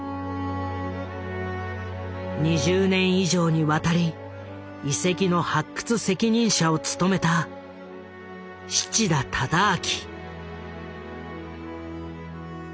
２０年以上にわたり遺跡の発掘責任者を務めた七田忠昭。